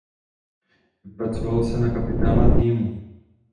Vypracoval se na kapitána týmu.